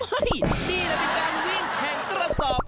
นี่แหละเป็นการวิ่งแข่งกระสอบ